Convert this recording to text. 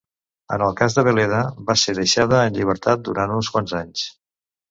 En el cas de Veleda, va ser deixada en llibertat durant uns quants anys.